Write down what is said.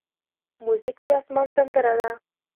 موزیک د آسمان سندره ده.